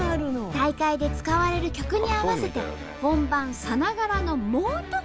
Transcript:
大会で使われる曲に合わせて本番さながらの猛特訓！